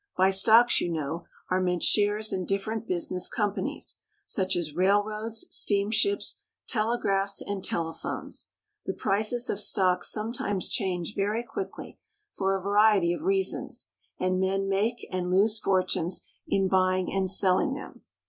By stocks, you know, are meant shares in different business companies, such as rail roads, steamships, telegraphs, and telephones. The prices of stocks sometimes change very quickly for a variety of reasons, and men make and lose fortunes in buying and selling them.